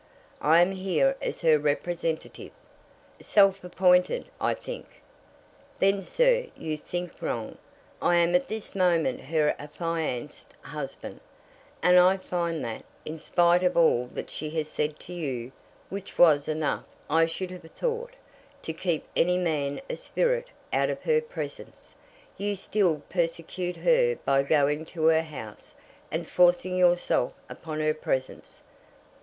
"I am here as her representative." "Self appointed, I think." "Then, sir, you think wrong. I am at this moment her affianced husband; and I find that, in spite of all that she has said to you, which was enough, I should have thought, to keep any man of spirit out of her presence, you still persecute her by going to her house, and forcing yourself upon her presence.